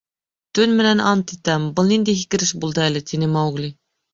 — Төн менән ант итәм, был ниндәй һикереш булды әле? — тине Маугли.